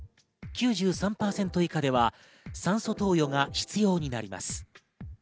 ９３％以下では酸素投与が必要になります。